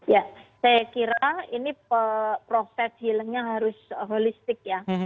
ya saya kira ini proses healingnya harus holistik ya